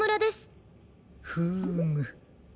フーム。